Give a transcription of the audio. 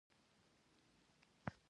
چې څلور سوري يې په څلورو کونجونو کښې.